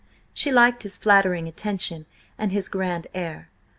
She liked his flattering attention, and his grand air.